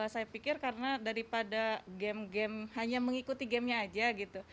saya pikir karena daripada game game hanya mengikuti gamenya aja gitu